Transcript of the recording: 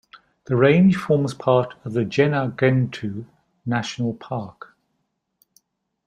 The range forms part of the Gennargentu National Park.